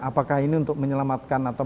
apakah ini untuk menyelamatkan atau